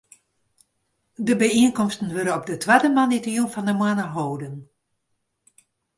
De byienkomsten wurde op de twadde moandeitejûn fan de moanne holden.